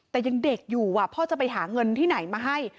แต่ยังเด็กอยู่พ่อจะไปหาเงินที่ไหนมาให้